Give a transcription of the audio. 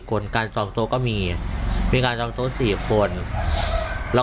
คนก็จ่อกโต๊ะก็มีมีมีเราจะตกสี่คนแล้ว